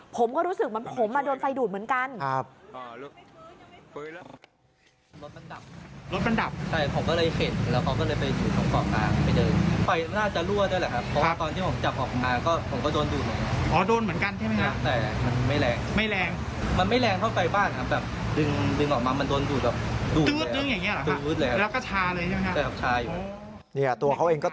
ผมก็รู้สึกเหมือนผมโดนไฟดูดเหมือนกัน